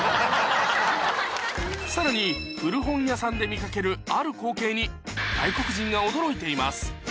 さらに古本屋さんで見かけるある光景に外国人が驚いています